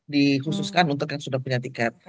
dikhususkan untuk yang sudah punya tiket